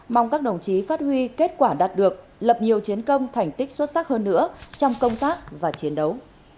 mong các đồng chí phát huy kết quả đạt được lập nhiều chiến công thành tích xuất sắc hơn nữa trong công tác và chiến đấu